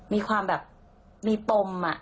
มีความแบบมีปม